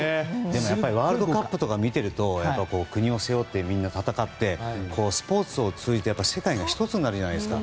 ワールドカップとか見ていると国を背負ってみんな戦ってスポーツを通じて、世界が１つになるじゃないですか。